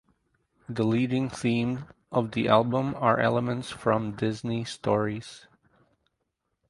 The leading theme of the album are elements from Disney stories.